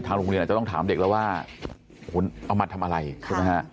โรงเรียนอาจจะต้องถามเด็กแล้วว่าคุณเอามาทำอะไรใช่ไหมฮะ